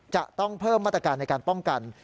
จะต้องเพิ่มมาตรการในการป้องกัน